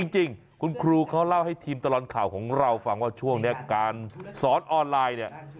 จริงคุณครูเขาเล่าให้ทีมตลอดข่าวของเราฟังว่าช่วงนี้การสอนออนไลน์เนี่ย